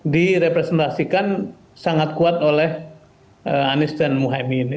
direpresentasikan sangat kuat oleh anies dan muhaymin